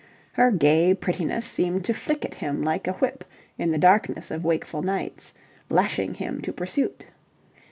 Her gay prettiness seemed to flick at him like a whip in the darkness of wakeful nights, lashing him to pursuit.